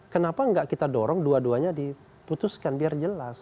kenapa nggak kita dorong dua duanya diputuskan biar jelas